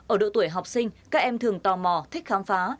ở độ tuổi học sinh các em thường tò mò thích khám phá